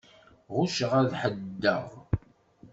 Ɣucceɣ ad ḥeddedeɣ.